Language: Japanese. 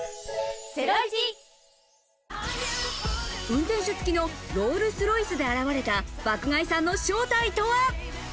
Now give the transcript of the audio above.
運転手つきのロールス・ロイスで現れた、爆買いさんの正体とは？